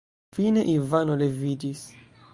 Fine Ivano leviĝis.